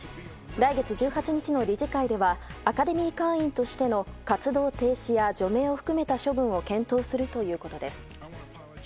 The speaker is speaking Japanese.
来月１８日の理事会ではアカデミー会員としての活動停止や除名を含めた処分を検討するということです。